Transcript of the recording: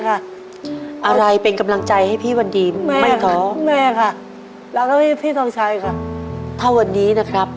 การทำอะไรก่อนครับ